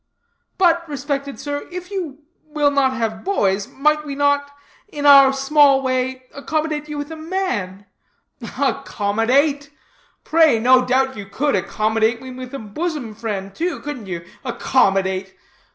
"But, respected sir, if you will not have boys, might we not, in our small way, accommodate you with a man?" "Accommodate? Pray, no doubt you could accommodate me with a bosom friend too, couldn't you? Accommodate!